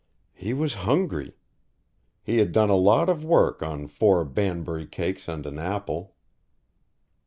He was hungry. He had done a lot of work on four Banbury cakes and an apple.